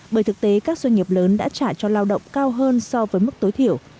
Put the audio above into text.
bởi thực tế các doanh nghiệp lớn đã trả cho lao động cao hơn so với mức tối thiểu